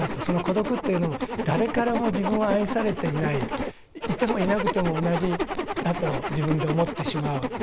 その孤独というのも誰からも自分は愛されていないいてもいなくても同じだと自分で思ってしまう。